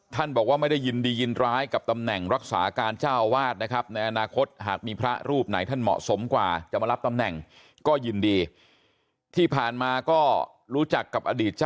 ท่านบอกว่าไม่ได้ยินดียินร้ายกับตำแหน่งรักษาการเจ้าอาวาสนะครับ